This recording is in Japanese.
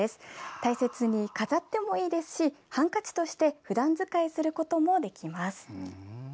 大切に飾ってもいいですしハンカチとしてふだん使いすることもできます。